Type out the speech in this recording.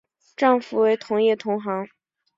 丈夫为同业同行。